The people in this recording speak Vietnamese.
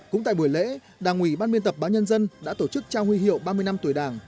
cũng tại buổi lễ đảng ủy ban biên tập báo nhân dân đã tổ chức trao huy hiệu ba mươi năm tuổi đảng